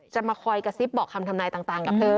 จะมาคอยกระซิบบอกคำทำนายต่างกับเธอ